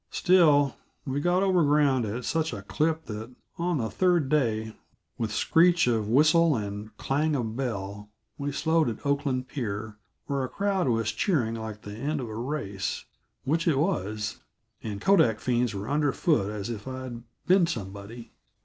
Still, we got over the ground at such a clip that on the third day, with screech of whistle and clang of bell, we slowed at Oakland pier, where a crowd was cheering like the end of a race which it was and kodak fiends were underfoot as if I'd been somebody.